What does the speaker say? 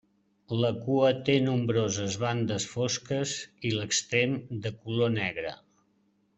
La cua té nombroses bandes fosques i l'extrem de color negre.